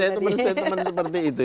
teman teman seperti itu